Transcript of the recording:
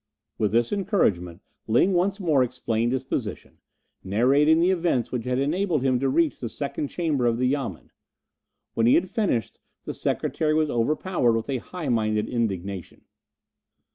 With this encouragement Ling once more explained his position, narrating the events which had enabled him to reach the second chamber of the Yamen. When he had finished the secretary was overpowered with a high minded indignation.